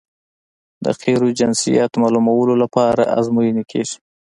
د قیرو جنسیت معلومولو لپاره ازموینې کیږي